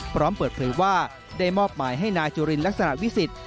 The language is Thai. พร้อมเปิดเผยว่าได้มอบหมายให้นายจุลินลักษณะวิสิทธิ